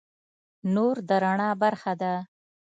نور د رڼا برخه ده.